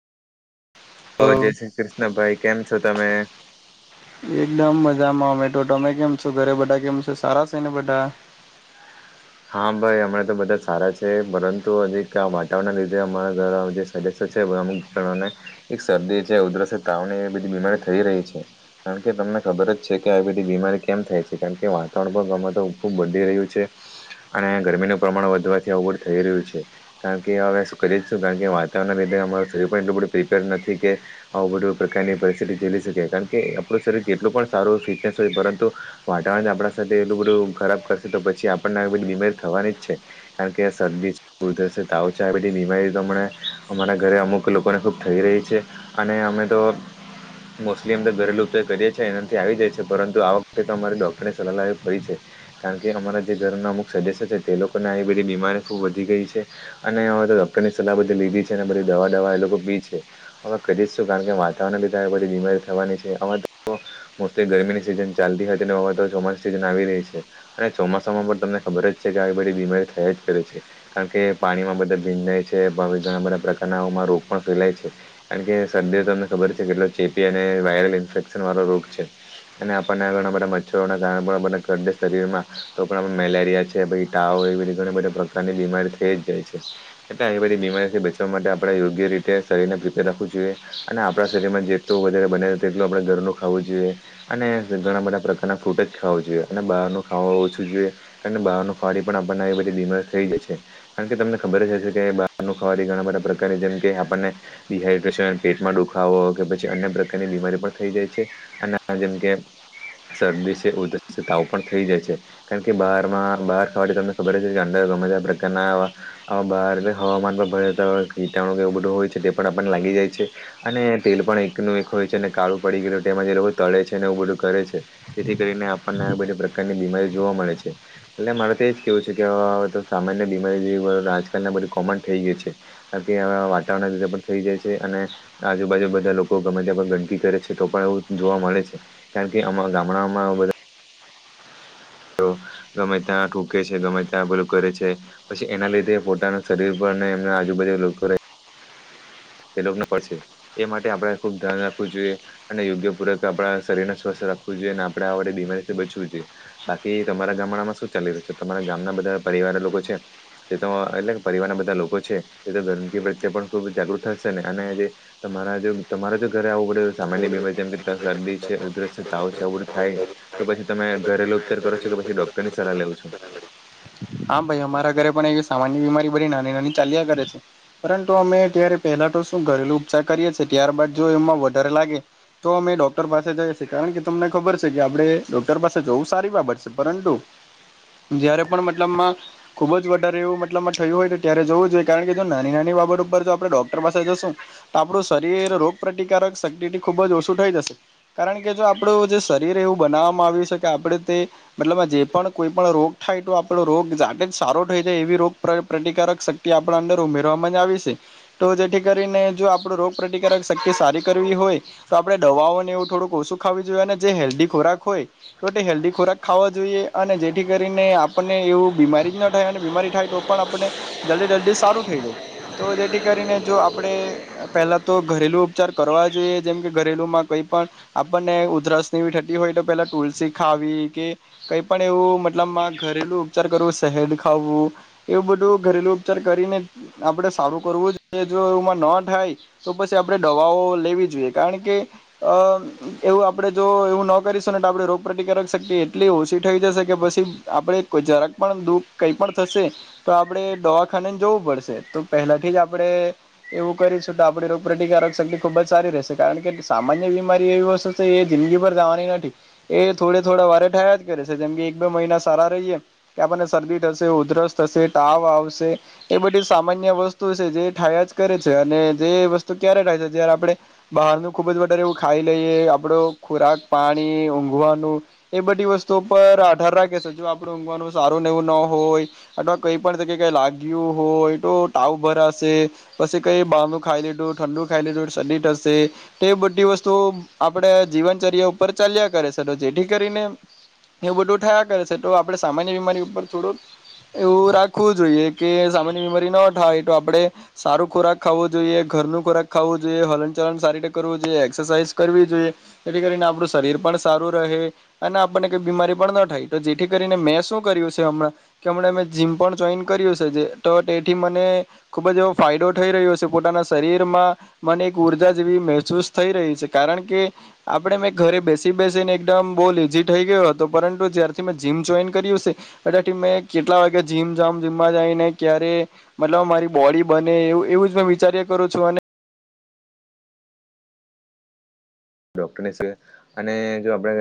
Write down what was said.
હ તો જય શ્રી કૃષ્ણભાઈ કેમ છો તમે એકદમ મજા મોમેટો તમે કેમ છો ઘરે બધા કેમ છો સારા છે ને બધા [unintelligible] હા ભાઈ હમણાં તો બધા સારા છે પરંતુ હજી વાતાવરણના લીધે અમારા્વારા જેદ છે અમુક જણોને શરદી છે ઉધર તાવ એ બધી બીમારી થઈ રહી છે કારણ કે તમને ખબર જ છે કે ડબિટી બીમારી કેમ થાય છે કારણ કે વાતાવરણ ગમત ખૂબ વધી રહ્યું છે અને ગરમીનું પ્રમાણ વધવાથી અવગું થઈ રહ્યું છે કારણ કે હવે શું કરી જ છું કારણ કે વાતાવરણને લીધે અમાશરીર પણ એટલું બધું પ્રિપેર નથી કે આવું બધું પ્રકારની પરિસ્થિતિ ઝીલી શકે કારણ કે આપણું શરીર કેટલ એ પણ સારું ફિટનેસ હોય પરંતુ વાતાવરણ આપણા સાથે એટલું બધું ખરાબ કરશે તો પછી આપણને બી બીમારી થવાની જ છે કારણ કે શરદી થશે ઉત ચ બીમારી આ ઘરે અમુક લોકોને ખૂબ થઈ રહી છે અને અમે તો મોસ્ટલી અમ તો ઘરેલુ ઉપચાર ચકરીએ છીએ એનાથી આવી જાય છે પરંતુ આ વખતે તો અમારી ડોક્ટરનેની સલાહ એવી કરી છે કારણ કે અમારા જે ઘરના અમુક સજે સજ સ છે તે લોકોને આવી બધી બીમારી ખુબ વધી ગઈ છે અને ડોક્ટરની સલાહ બધી લીધી છે અનેધ દવા દવા એ લોકો પી છે અમે કરી જશું કારણ કે વાતાવરણ બીધા બધી બીમારી થવાની છે આમાં મોસ્ટલી ગરમીની સિઝન ચાલતી હોય તેની વાબ ચોમાસા સિઝન આવી રહી છે અને ચોમાસામાં પણ તમને ખબર જ છે કે આવી બધી બીમારી થયા જ કરે છે કારણ કે પાણીમાં બધા ભીંજાય છે ઘણા બધા પ્રકાર ના ઉમા રોગ પણ ફેલાય છે કારણ કે શરદી તમને ખબર છે કેટલો ચેપી અને વાયરલ ઇન્ફેક્શન વાળો રોગ છે અને આપણને ઘણા બા મચ્છરો કાર આપ શરીરમાં તો મેર વિ છે એ તાવ બધી બધી પ્રકારની બીમારી થઈ જાય છે એટલે આ બધી બીમારીથી બચવા માટે આપણે યોગ્ય રીતે શરીરનેર રાખવું જોઈએ અને આપણા શરીરમાં જેટલું વધારે બને તેટલું આપણે ઘરનું ખ જોઈએ અને ઘણા બધા પ્રકારના ફ્રૂટ જ ખ જોઈએ અને બહારનુંું ખા ઓછું જોઈએ કારણ બહારનો ખવાડી પણ આપણને એ બધી બીમારી થઈ જશે કારણ કે તમને ખબર જ હશે કે બહારનું ખવાડી ઘણા બધા પ્રની જેમ કે આપણને ડિહાઈડ્રેશન પેટમાં દુખાવો કે પછી અન્ય પ્રકારની બીમારી પણ થઈ જાય છે જેમ કે શદી છે ઉધર તાવ પણ થઈ જાય છે કારણ કે બાર બહાર ખવાથી તમને ખબર જ કે અંદર ગમે તે પ્રકારના બહાર હવામાન પર ભ કીટણું કેવો બધું હોય છે તે પણ આપણને લાગી જાય છે અને તેલ પણ એકનું એક હોય છે અને કાળું પડી ગયું માં જે લોકો તળે છે ને એવું બધું કરે છે તેથી કરીને આપણને બધી પ્રકારની બીમારીઓ જોવા મળે છે એટલે મારે તો એજ કેવું છે કેવે સામાન્ય બીમારી આજકાલ બધી કોમન થઈ ગય છે કારણ કે આ વાતાવરણ રીતે પણ થઈ જાય છે અને આજુબાજુ બધા લોકો ગમે ત્યાં પણ ગંદકી કરે છે તો પણ એવ જોવા મળે છે કારણ કે આ ગામડામાં બધા ગમે ત્યાં ટૂકે છે ગમે ત્યાં બધું કરે છે પછી એના લીધે પોતાના શરીર પરને આજુબાુ લોકો રહે તે લોકોને પડશે એ માટે આપણે ખુબ ધ્યાન રાખવું જોઈએ અને યોગ્ય પૂર્વક આપણા શરીરને સ્વસ્થ રાખવું જોઈએ આપણે આ વડે બીમારીથી બચવું જોઈએ બાકી તમારા ગામડામાં શું ચાલી રહ્યું છે તમારા ગામના બધા પરિવારના લોકો છે તે તો એટલે પરિવારના બધા લોકો છે તે તો ગરંદગી પ્રત્યે પણ ખૂબ જાગૃત થશે ને અને જે તમારા જો તમારે જો ઘરે આવું સામાન્ય બીમારી જેમ કે શરદી છે ઉધરસ તાવ છેવર થાય તો પછી તમે ઘરેલુ વિચારો પછ ડોકરની સલાહ લેું છે હમ ભાઈ અમારા ઘરે પણ એવી સામાન્ય બીમારી બધી નાની નાની ચાલ્યા કરે છે પરંતુ અમે અત્યારે પહેલા તો શું ઘરેલુ ઉપચાર કરીએ છીએ ત્યારબાદ જો એમાં વધારે લાગે તો અમે ડોક્ટર પાસે જાય છે કારણ કે તમને ખબર છે કે આપડે ડોક્ટર પાસે જોવું સારી બાબત છે પરંતુ જયારે પણ ખુબ જ વધારે એવું મતલબમાં થયું હોય તો ત્યારે જોવું જોઈએ કારણ કે જો નાની નાની બાબત ઉપર જો આપણે ડોક્ટર જ તો આપણું શરીર રોગ પ્રતિકારક શક્તિથી ખુબ જ ઓછું થઈ જશે કારણ કે જો આપડું જે શરીર એવું બનાવવામાં આવ્યું છે કે આપડે તે મતલબ જે પણ કોઈ પણ રોગ થાય તો રોગ જાાગ જ સારો થઈ જાય એવી રોગ પ્રતિકારક શક્તિ આપણા અંદર ઉમેરવામાં જ આવી છે તો જેથી કરીને જો આપડ રોગ પ્ર્રતિકારક શક્તિ સારી કરવી હોય તો આપડણે દવાઓને એવું થોડુંક ઓછું ખ હેલ્ ખો હોય તો હેલ્ ખોરાક ખ જોઈએ અને જેથી કરીને આપણને એવું બીમારી જ ના થાય અને બીમારી થાય તો પણ આપને જલ્દી જલ્દી સારું થઈ જાય તો જેથી કરીને જો આપડે પેલા તો ઘરેલુ ઉપચાર કરવા જોઈએ જેમ કે ઘરેલુ માં કઈ આપને ઉધરસ થતી હોય તો પેલા તુલસી ખાવી કે કઈ પણ એવું મતલબ ઘરેલું ઉપચાર કરવો શહેડ ખાવું એવું બધું ઘરેલું ઉપચાર કરીને આપણે સારું કરવું જોમાં ન થાય તો પછી આપણેે દવાઓ લેવી જોઈએ કારણ કે અ એવું આપડે જો એવું ન કરીશું ને આપે રોગપ્રતિકારક શક્તિ એટલી ઓછી થઈ જશે કે પછી આપડે કોઈ જરાક પણ દુઃખ કઈ પણ થશે તો આપડણે દવાખાનેને જવું પડશે તો પહેલા આપણે એવું કરીશું તો આપ રોગ પ્ર્રતિકારક શક્તિ ખુબ જ સારી રહેશે કારણ કે સામાન્ય બીમારી એ વસ્તુ એ જિંદગી પર જવાની નથી એ થોડે થોડા વારે થયા જ કરે છે જેમ કે એક બે મહિના સારા રહીે કે આપને શરદી થશે ઉધરસ થશે તાવ આવશે એ બધી સામાન્ય વસ્તુ જે થયા જ કરે છે અને જે વસ્તુ ક્યારે થાય છે જયારે આપણે બહારનું ખુબ જ વધારે એવું ખાઈ લઈએ આપડો ખોરાક પાણી ઊઘવાનું એ બધી વસ્તુ પર અઢાર રા કે સ આપડ ઊઘવાનું સારું નવું ન હોય અથવા કઈ પણ તકે કઈ લાગ્યું હોય તો પછી કઈ બહારનું ખાઈ લીધું ઠંડુ ખાઈ લીધું સડીશે તે બધી વસ્તુ આપડે જીવનચર્યા ઉપર ચાલ્યા કરે છે તો જેથી કરીને એવું બધું થયા કરે છે તો આપડે સામાન્ય બીમારી ઉપર થોડોક એવું રાખવું જોઈએ કે સામાન્ય બીમારી ન થાય તો આપડે સારું ખોરાક ખાવો જોઈએ ઘરનું ખોરાક ખાવું જોઈએ હલન ચલન સારી રીતે કરવું જોઈએ એક્સરસાઇઝ કરવી જોઈએ તેથી કરીને આપણું શરીર પણ સારું રહે અને આપણને કઈ બીમારી પણ ન થાય તો જેથી કરીને મેં શું કર્યું છે હમણાં કે હમણાં મે જીમ પણ જોઈન કર્યું છે જે તો તેથી મને ખુબ જ [inaudible] થઈ રહી છે. કારણ કે આપણે મેં ઘરે બેસી બેસીને એકદમ [unintelligible] થઈ ગયો હતો પરંતુ જ [unintelligible] કેટલા વાગેમમમાં [unintelligible] ક્યારે મારી બોડી બને એવું એવું જ મેં વિચાર્યા કરું છું, અને. ડોક્ટરની સિવા અને જો આપણે.